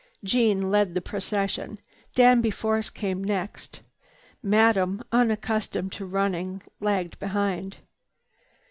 Jeanne led the procession. Danby Force came next. Madame, unaccustomed to running, lagged behind.